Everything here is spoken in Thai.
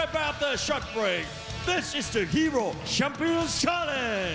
เจ้าพ่อนักแห่งแบลูโคลนัด